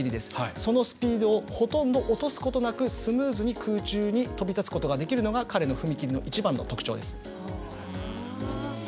そのスピードをほとんど落とすことなくスムーズに空中に跳び立つことができるのが彼の踏み切りの一番の特徴です。